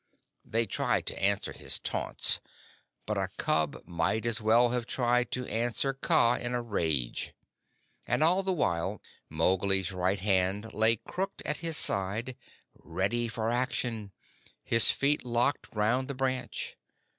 They tried to answer his taunts, but a cub might as well have tried to answer Kaa in a rage; and all the while Mowgli's right hand lay crooked at his side, ready for action, his feet locked round the branch.